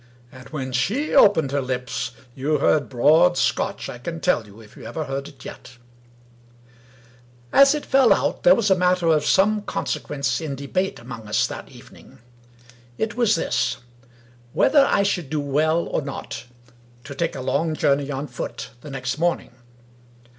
And when she opened her lips you heard broad Scotch, I can tell you, if you ever heard it yet ! As it fell out, there was a matter of some consequence in debate among us that evening. It was this : whether I should do well or not to take a long journey on foot the next morning.